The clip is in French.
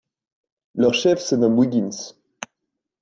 Leur chef se nomme Wiggins.